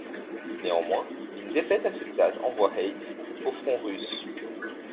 Néanmoins, une défaite à ce stade envoie Heitz au front russe.